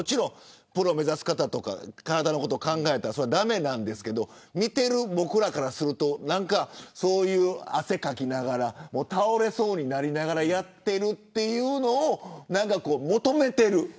プロを目指す方とか体を考えたら駄目なんですけど見ている僕らからするとそういう汗をかきながら倒れそうになりながらやっているというのを求めている。